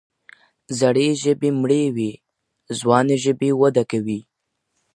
زړې ژبې مړې وي، ځوانې ژبې وده کوي.